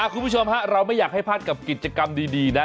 คุณผู้ชมฮะเราไม่อยากให้พลาดกับกิจกรรมดีนะ